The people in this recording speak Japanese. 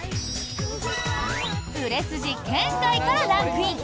売れ筋圏外からランクイン！